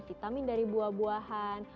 vitamin dari buah buahan